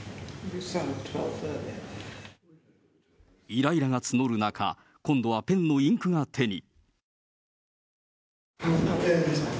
いらいらが募る中、今度はペンのインクが手に。